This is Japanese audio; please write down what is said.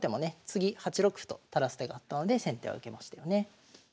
次８六歩と垂らす手があったので先手は受けましたよね。